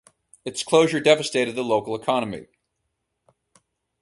Its closure devastated the local economy.